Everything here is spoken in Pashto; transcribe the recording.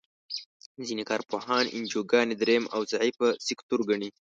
ځینې کار پوهان انجوګانې دریم او ضعیفه سکتور ګڼي.